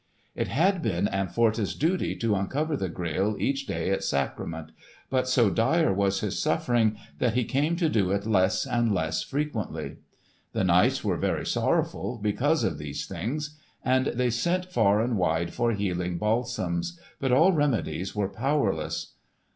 It had been Amfortas' duty to uncover the Grail each day at sacrament, but so dire was his suffering that he came to do it less and less frequently. The knights were very sorrowful because of these things, and they sent far and wide for healing balsams, but all remedies were powerless.